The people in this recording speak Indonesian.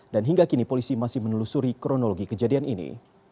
dan hingga kini polisi masih menelusuri kronologi kejadian ini